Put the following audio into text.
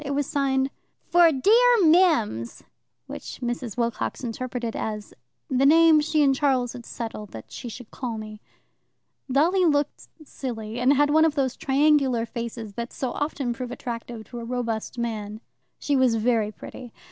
It was signed "For dear Mims," which Mrs. Wilcox interpreted as "the name she and Charles had settled that she should call me." Dolly looked silly, and had one of those triangular faces that so often prove attractive to a robust man. She was very pretty.